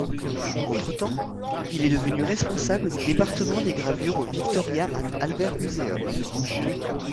Entre-temps, il est devenu responsable du département des gravures au Victoria and Albert Museum.